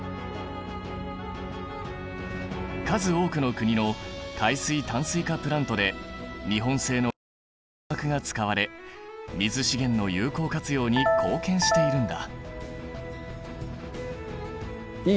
数多くの国の海水淡水化プラントで日本製の逆浸透膜が使われ水資源の有効活用に貢献しているんだ。